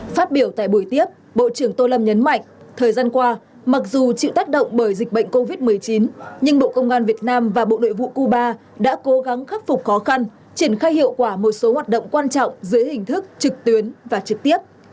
phát biểu tại buổi tiếp bộ trưởng tô lâm nhấn mạnh thời gian qua mặc dù chịu tác động bởi dịch bệnh covid một mươi chín nhưng bộ công an việt nam và bộ nội vụ cuba đã cố gắng khắc phục khó khăn triển khai hiệu quả một số hoạt động quan trọng dưới hình thức trực tuyến và trực tiếp